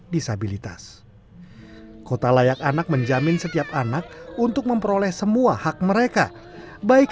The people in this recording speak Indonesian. disabilitas kota layak anak menjamin setiap anak untuk memperoleh semua hak mereka baik